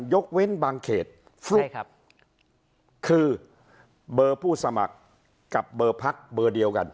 ยกเว้นบางเขตคือเบอร์ผู้สมัครกับเบอร์พักเบอร์เดียวกัน